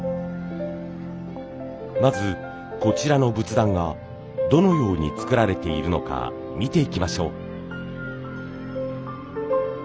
まずこちらの仏壇がどのように作られているのか見ていきましょう。